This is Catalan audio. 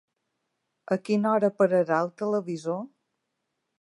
A quina hora pararà el televisor?